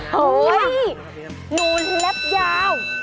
เฮ้ยหนูแล็บยาว